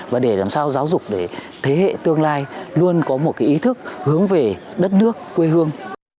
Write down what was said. và để làm sao giáo dục để thế hệ tương lai luôn có một ý thức hướng về đất nước quê hương